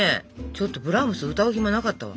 ちょっとブラームス歌う暇なかったわ。